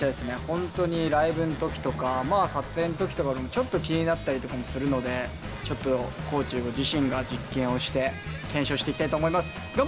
本当にライブの時とかまあ撮影の時とかでもちょっと気になったりとかもするのでちょっと地自身が実験をして検証していきたいと思います。